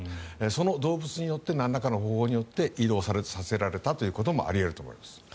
その動物によってなんらかの方法によって移動させられたということもあり得ると思います。